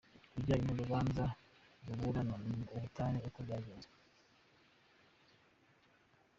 Ku bijyanye n’urubanza ruburana ubutane uko byagenze.